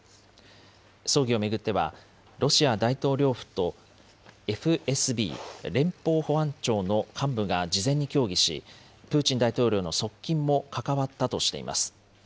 葬儀を巡っては、ロシア大統領府と、ＦＳＢ・連邦保安庁の幹部が事前に協議し、プーチン大統領の側近も関わったとしています。